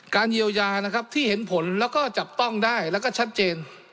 เยียวยานะครับที่เห็นผลแล้วก็จับต้องได้แล้วก็ชัดเจน